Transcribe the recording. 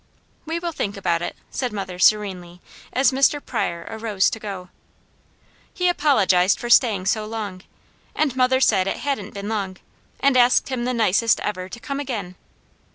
"We will think about it," said mother serenely as Mr. Pryor arose to go. He apologized for staying so long, and mother said it hadn't been long, and asked him the nicest ever to come again.